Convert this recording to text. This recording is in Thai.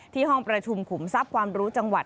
ห้องประชุมขุมทรัพย์ความรู้จังหวัด